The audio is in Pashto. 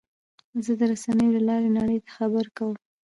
زه د رسنیو له لارې نړۍ ته خبرې کوم.